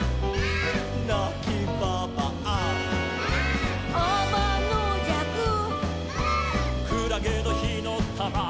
「なきばばあ」「」「あまのじゃく」「」「くらげのひのたま」「」